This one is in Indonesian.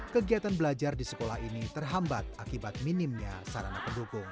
kegiatan belajar di sekolah ini terhambat akibat minimnya sarana pendukung